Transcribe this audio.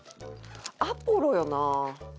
アポロよな。